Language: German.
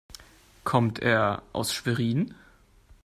Kommt er auch aus Schwerin?